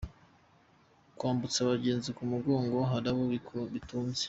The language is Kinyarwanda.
Kwambutsa abagenzi ku mugongo hari abo bitunze.